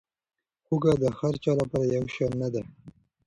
هوږه د هر چا لپاره یو شان نه ده.